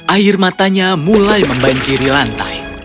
air matanya mulai membanjiri lantai